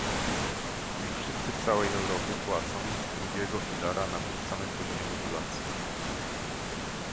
Niech wszyscy w całej Europie płacą z drugiego filara na tym samym poziomie modulacji